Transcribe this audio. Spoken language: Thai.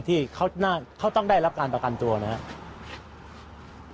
ที่เขาต้องได้รับการประกันตัวนะครับ